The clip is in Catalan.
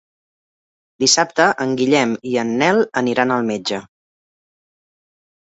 Dissabte en Guillem i en Nel aniran al metge.